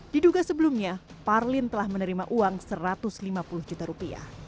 diduga sebelumnya parlin telah menerima uang satu ratus lima puluh juta rupiah